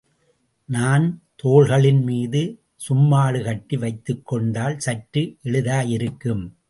நான் தோள்களின் மீது சும்மாடு கட்டி வைத்துக்கொண்டால் சற்று எளிதாயிருக்கும்.